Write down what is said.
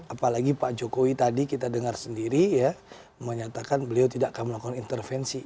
apalagi pak jokowi tadi kita dengar sendiri ya menyatakan beliau tidak akan melakukan intervensi